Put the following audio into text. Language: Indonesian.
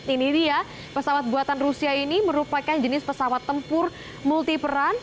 ini dia pesawat buatan rusia ini merupakan jenis pesawat tempur multiperan